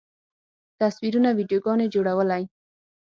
تصویرونه، ویډیوګانې جوړولی